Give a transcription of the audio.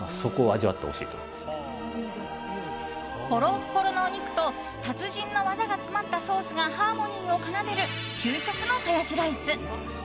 ホロホロのお肉と達人の技が詰まったソースが、ハーモニーを奏でる究極のハヤシライス。